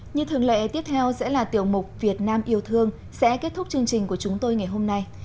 như thường lệ tiếp theo sẽ là tiểu mục việt nam yêu thương sẽ kết thúc chương trình của chúng tôi ngày hôm nay